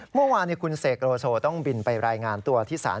เมื่อวานคุณเสกโลโซต้องบินไปรายงานตัวที่ศาล